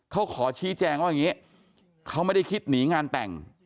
เขาขอชี้แจงว่าอย่างนี้เขาไม่ได้คิดหนีงานแต่ง